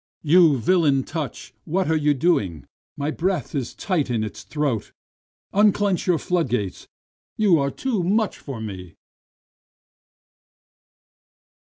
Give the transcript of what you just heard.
You villain touch! what are you doing? my breath is tight in its throat, Unclench your floodgates, you are too much for me.